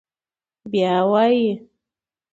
بيا وايي: